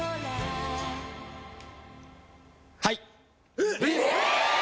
はい。